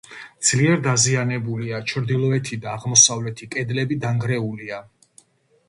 ძლიერ დაზიანებულია, ჩრდილოეთი და აღმოსავლეთი კედლები დანგრეულია.